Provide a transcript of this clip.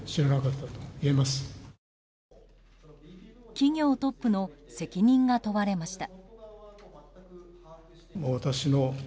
企業トップの責任が問われました。